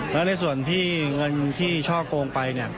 แล้วในส่วนที่เงินที่ช่อโกงไป